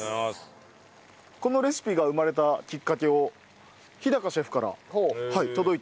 このレシピが生まれたきっかけを日シェフから届いています。